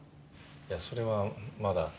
いやそれはまだ。